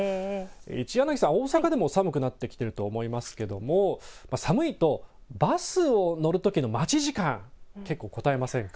一柳さん、大阪でも寒くなってきてると思いますけども寒いとバスを乗るときの待ち時間結構、こたえませんか。